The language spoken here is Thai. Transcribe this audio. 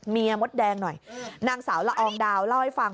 มดแดงหน่อยนางสาวละอองดาวเล่าให้ฟัง